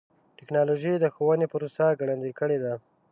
ټکنالوجي د ښوونې پروسه ګړندۍ کړې ده.